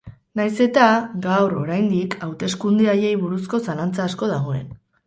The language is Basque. Nahiz eta, gaur oraindik, hauteskunde haiei buruzko zalantza asko dagoen.